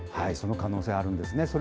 その可能性あるんですね。